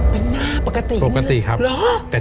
เป็นหน้าปกติปกติครับเหรอ